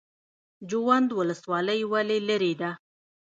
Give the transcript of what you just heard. جوند ولسوالۍ ولې لیرې ده؟